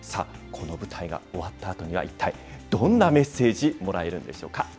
この舞台が終わったあとには、一体どんなメッセージ、もらえるんでしょうか。